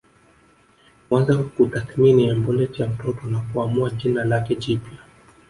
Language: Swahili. Huanza kutathimini embolet ya mtoto na kuamua jina lake jipya